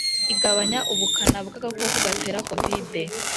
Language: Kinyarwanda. igabanya ubukana bw agakoko gatera covide